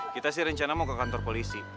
kita sih rencana mau ke kantor polisi